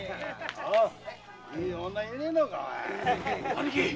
兄貴！